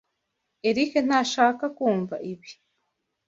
Eric ntashaka kumva ibi.